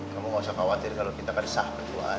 kamu gak usah khawatir kalo kita kan sah perjuangan